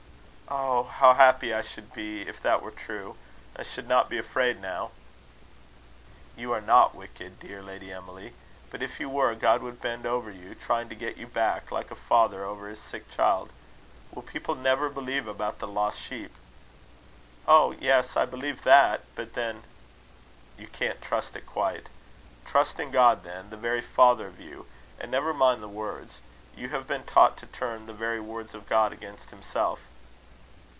"Oh! how happy I should be, if that were true! I should not be afraid now." "You are not wicked, dear Lady Emily; but if you were, God would bend over you, trying to get you back, like a father over his sick child. Will people never believe about the lost sheep?" "Oh! yes; I believe that. But then " "You can't trust it quite. Trust in God, then, the very father of you and never mind the words. You have been taught to turn the very words of God against himself."